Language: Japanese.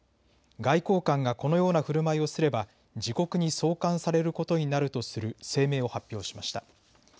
外交官がこのようなふるまいをすれば自国に送還されることになるとする声明を発表しました。